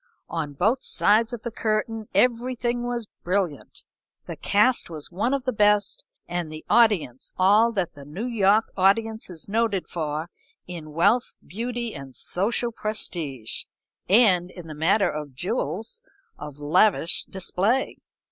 On both sides of the curtain everything was brilliant. The cast was one of the best and the audience all that the New York audience is noted for in wealth, beauty, and social prestige, and, in the matter of jewels, of lavish display.